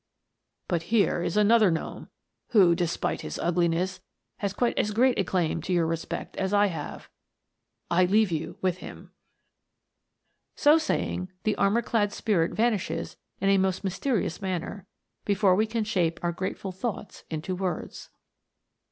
But here is another gnome who, despite his ugliness, has quite as great a claim to your re spect as I have. I leave you with him." So saying, the armour clad spirit vanishes in a most myste rious manner, before we can shape our grateful thoughts into words.